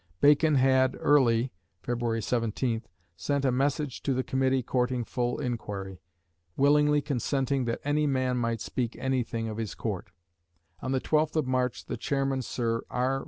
Bacon had early (Feb. 17th) sent a message to the Committee courting full inquiry, "willingly consenting that any man might speak anything of his Court." On the 12th of March the chairman, Sir R.